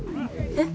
えっ？